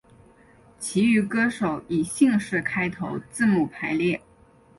其余歌手以姓氏开头字母排列。